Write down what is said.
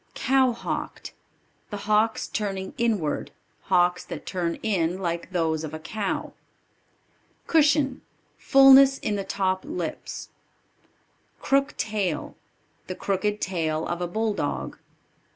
Cow hocked. The hocks turning inward; hocks that turn in, like those of a cow. Cushion. Fulness in the top lips. Crook tail. The crooked tail of a Bulldog.